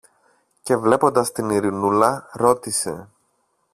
Και, βλέποντας την Ειρηνούλα, ρώτησε